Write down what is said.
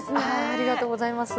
ありがとうございます。